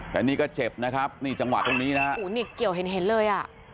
แต่นี่ก็เจ็บนะครับนี่จังหวะตรงนี้นะฮะโอ้โหนี่เกี่ยวเห็นเห็นเลยอ่ะ